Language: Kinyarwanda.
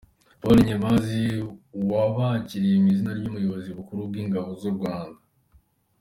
Paul Nyemazi wabakiriye mu izina ry’Ubuyobozi bukuru bw’Ingabo z’U Rwanda.